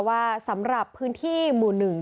ว่าสำหรับพื้นที่หมู่หนึ่ง